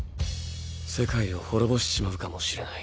世界を滅ぼしちまうかもしれない。